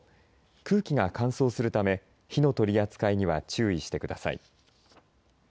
空気が乾燥するため火の取り扱いには注意してください。